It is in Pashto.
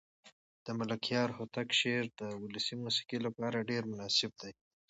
د ملکیار هوتک شعر د ولسي موسیقۍ لپاره ډېر مناسب دی.